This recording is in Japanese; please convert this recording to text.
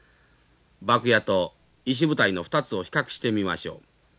牧野と石舞台の２つを比較してみましょう。